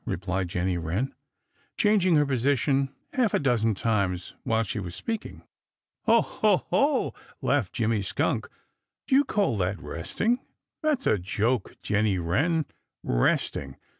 replied Jenny Wren, changing her position half a dozen times while she was speaking. "Ho, ho, ho!" laughed Jimmy Skunk. "Do you call that resting! That's a joke, Jenny Wren. Resting!